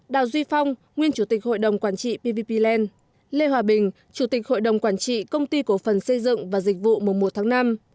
đào duy phong nguyên chủ tịch hội đồng quản trị pvp land lê hòa bình chủ tịch hội đồng quản trị công ty cổ phần xây dựng và dịch vụ mùa một tháng năm